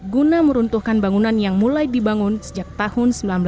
guna meruntuhkan bangunan yang mulai dibangun sejak tahun seribu sembilan ratus sembilan puluh